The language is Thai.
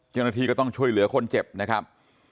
เจ้าหน้าที่ก็ต้องช่วยเหลือคนเจ็บนะครับ